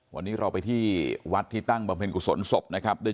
วันนี้เราไปที่วัดที่ตั้งบำเพ็ญกุศลศพนะครับ